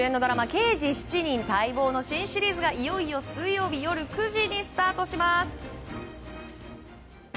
「刑事７人」待望の新シリーズがいよいよ水曜夜９時にスタートします。